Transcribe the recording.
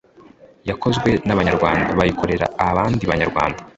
yakozwe n’ abanyarwanda bayikorera abandi banyarwanda .